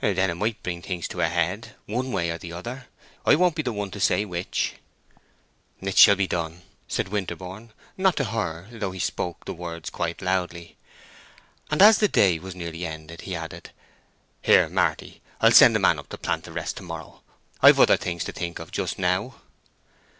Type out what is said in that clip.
"Then it might bring things to a head, one way or the other; I won't be the one to say which." "It shall be done," said Winterborne, not to her, though he spoke the words quite loudly. And as the day was nearly ended, he added, "Here, Marty, I'll send up a man to plant the rest to morrow. I've other things to think of just now."